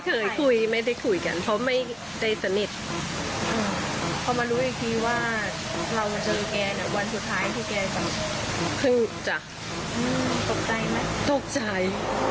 คือจ้ะตกใจไหมตกใจ